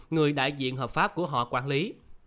người đại diện hợp pháp của họ quản lý